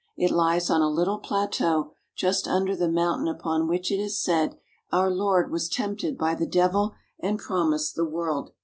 It lies on a little plateau, just under the mountain upon which it is said our Lord was tempted by the devil and promised the world.